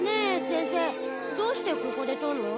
先生どうしてここで撮んの？